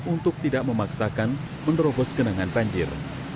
untuk tidak memaksakan menerobos genangan banjir